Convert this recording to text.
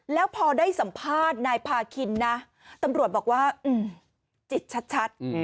แล้วพอได้สัมภาษณ์นายพาคินนะตำรวจบอกว่าจิตชัด